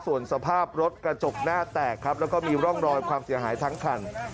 ส่วนสภาพรถกระจกหน้าแตกครับแล้วก็มีร่องรอยความเสียหายทั้งคัน